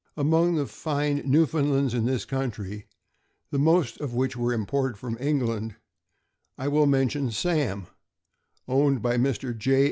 Among the few fine Newfoundlands in this country, the most of which were imported from England, I will mention Sam, owned by Mr. J.